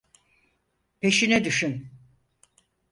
Peşine düşün!